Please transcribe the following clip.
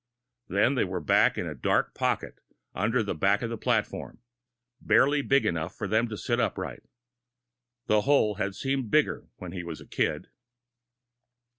Then they were back in a dark pocket under the back of the platform, barely big enough for them to sit upright. The hole had seemed bigger when he was a kid.